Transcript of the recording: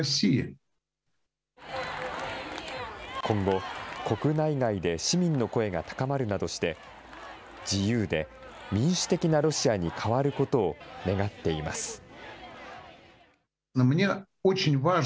今後、国内外で市民の声が高まるなどして自由で民主的なロシアに変わることを願っています。